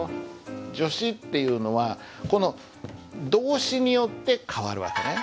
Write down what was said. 助詞っていうのはこの動詞によって変わる訳ね。